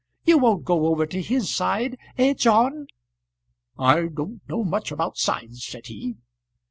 You won't go over to his side; eh, John?" "I don't know much about sides," said he.